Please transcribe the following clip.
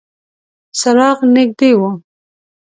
څراغ نږدې و.